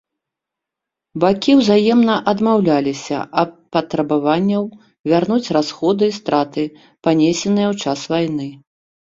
Бакі ўзаемна адмаўляліся ад патрабаванняў вярнуць расходы і страты, панесеныя ў час вайны.